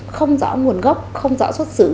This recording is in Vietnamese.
không rõ nguồn gốc không rõ xuất xứ